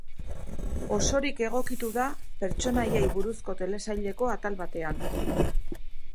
Osorik egokitu da pertsonaiei buruzko telesaileko atal batean.